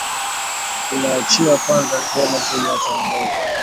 Tumuachie kwanza tuone vile ataongoza